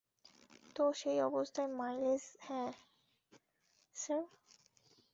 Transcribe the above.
তো সেই অবস্থায় মাইলেজ হ্যাঁ, স্যার?